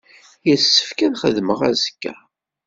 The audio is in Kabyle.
Yessefk ad xedmeɣ azekka.